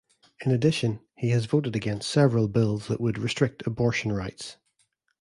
In addition, he has voted against several bills that would restrict abortion rights.